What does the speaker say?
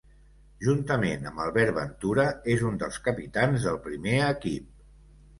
Juntament amb Albert Ventura, és un dels capitans del primer equip.